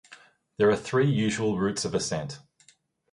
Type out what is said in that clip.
There are three usual routes of ascent.